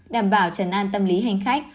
đảm bảo trần an tâm lý hành khách